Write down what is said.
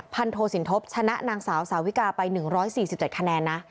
โทสินทบชนะนางสาวสาวิกาไป๑๔๗คะแนนนะ